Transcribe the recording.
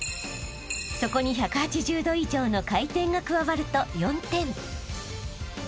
［そこに１８０度以上の回転が加わると４点］